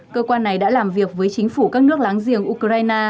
cơ quan này đã làm việc với chính phủ các nước láng giềng ukraine